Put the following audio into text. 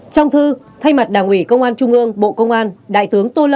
trong thư thay mặt đảng ủy công an trung ương bộ công an đại tướng tô lâm